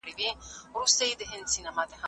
تخیل د داستان ښکلا نوره هم زیاتوي.